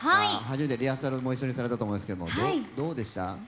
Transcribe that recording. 初めてリハーサルも一緒にされたと思いますけれどもどうでした？